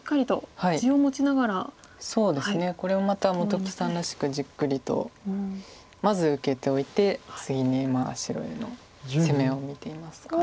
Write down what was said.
そうですねこれもまた本木さんらしくじっくりとまず受けておいて次に白への攻めを見ていますか。